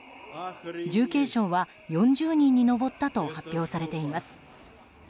重軽傷は４０人に上ったと発表されています。